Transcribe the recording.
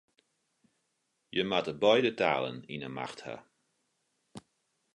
Je moatte beide talen yn 'e macht ha.